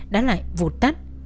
đã lại vụt tắt